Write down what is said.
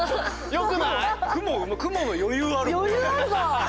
よくない？